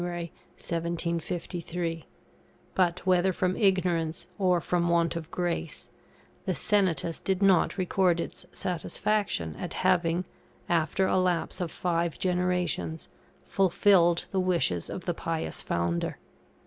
1753; but, whether from ignorance, or from want of grace, the Senatus did not record its satisfaction at having, after a lapse of five generations, fulfilled the wishes of the pious founder.